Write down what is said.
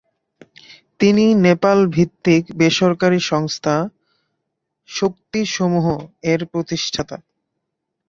তিনি নেপাল ভিত্তিক বেসরকারি সংস্থা "শক্তি সমুহ"-এর প্রতিষ্ঠাতা।